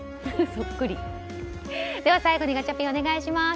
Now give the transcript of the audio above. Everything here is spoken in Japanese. では最後にガチャピンお願いします。